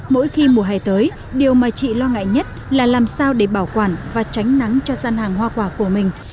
mỗi khi mùa hè tới điều mà chị lo ngại nhất là làm sao để bảo quản và tránh nắng cho gian hàng hoa quả của mình